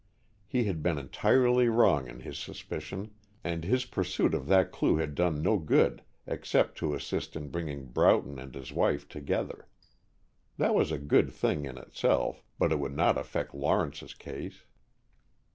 He had been entirely wrong in his suspicion, and his pursuit of that clue had done no good except to assist in bringing Broughton and his wife together. That was a good thing in itself, but it would not affect Lawrence's case.